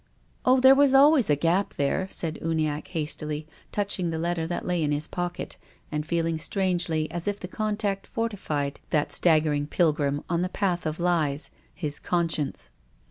" Oh, there was always a gap there," said Uni acke hastily, touching the letter that lay in his pocket, and feeling, strangely, as if the contact fortified that staggering pilgrim on the path of lies — his conscience.